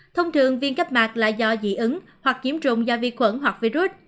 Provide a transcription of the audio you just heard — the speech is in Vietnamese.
thông thường viêm cấp mạc là do dị ứng hoặc nhiễm trùng do vi khuẩn hoặc virus